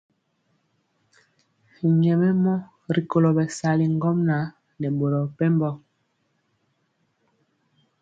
Nyɛmemɔ rikolo bɛsali ŋgomnaŋ nɛ boro mepempɔ.